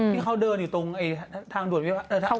ที่เขาเดินอยู่ตรงทางด่วนวิวัตร